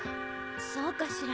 そうかしら。